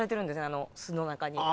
あの巣の中に。